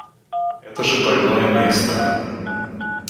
Это же больное место!